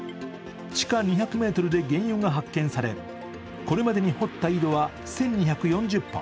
地下２００ｍで原油が発見され、これまでに掘った井戸は１２４０本。